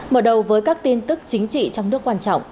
mở đầu với các tin tức chính trị trong nước quan trọng